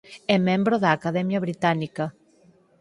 É membro da Academia Británica.